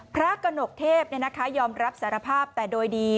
กระหนกเทพยอมรับสารภาพแต่โดยดี